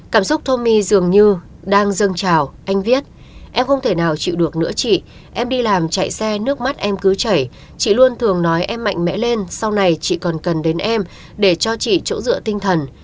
cảm xúc tho my dường như đang dâng trào anh viết em không thể nào chịu được nữa chị em đi làm chạy xe nước mắt em cứ chảy chị luôn thường nói em mạnh mẽ lên sau này chị còn cần đến em để cho chị chỗ dựa tinh thần